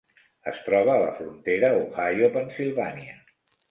Es troba a la frontera Ohio-Pennsilvània.